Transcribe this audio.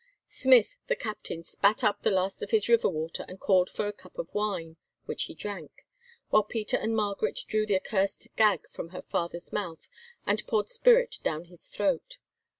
Smith, the captain, spat up the last of his river water and called for a cup of wine, which he drank; while Peter and Margaret drew the accursed gag from her father's mouth, and poured spirit down his throat.